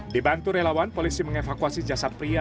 dibantu relawan polisi mengevakuasi jasad pria